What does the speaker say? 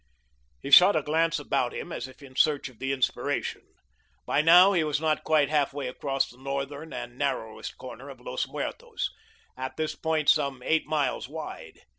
He shot a glance about him as if in search of the inspiration. By now he was not quite half way across the northern and narrowest corner of Los Muertos, at this point some eight miles wide.